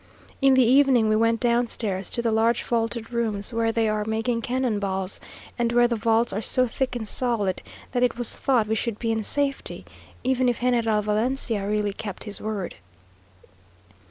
In the evening we went downstairs to the large vaulted rooms where they are making cannon balls, and where the vaults are so thick and solid, that it was thought we should be in safety, even if General Valencia really kept his word.